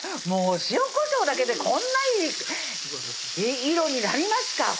もう塩・こしょうだけでこんないい色になりますか？